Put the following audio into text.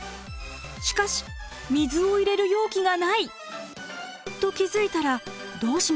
しかし水を入れる容器がない！と気付いたらどうしますか？